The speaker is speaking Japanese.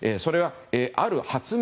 ある発明